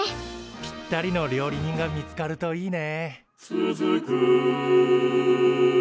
ぴったりの料理人が見つかるといいね。